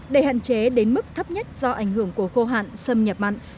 để hạn chế đến mức thấp nhất do ảnh hưởng của khô hạn xâm nhập mặn